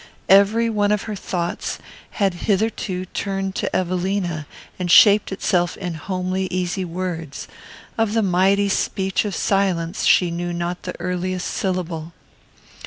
Every one of her thoughts had hitherto turned to Evelina and shaped itself in homely easy words; of the mighty speech of silence she knew not the earliest syllable.